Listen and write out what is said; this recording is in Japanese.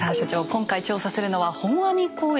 今回調査するのは「本阿弥光悦」。